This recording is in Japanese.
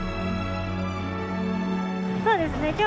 そうですね。